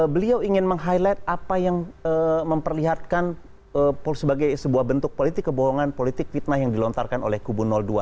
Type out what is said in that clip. beliau ingin meng highlight apa yang memperlihatkan sebagai sebuah bentuk politik kebohongan politik fitnah yang dilontarkan oleh kubu dua